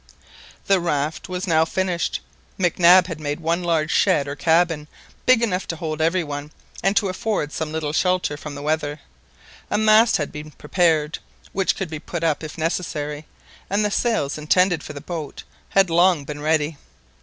The raft was now finished. Mac Nab had made one large shed or cabin big enough to hold every one, and to afford some little shelter from the weather. A mast had been prepared, which could be put up if necessary, and the sails intended for the boat had long been ready.